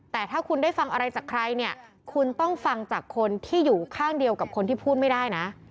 แต่ถ้าคุณได้ฟังอะไรจากใครเนี่ยคุณต้องฟังจากคนที่อยู่ข้างเดียวกับคนที่พูดไม่ได้นะ